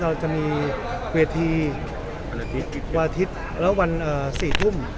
เราจะมีเวทีวันอาทิตย์และวัน๔ทุ่ม